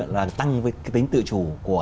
là tăng với cái tính tự chủ của